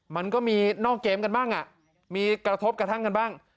มันก็มีนอกเกมกันบ้างมีกระทบกระทั่งกันบ้าง